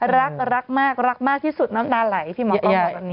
รักรักมากรักมากที่สุดน้ำตาไหลพี่หมอเอบอก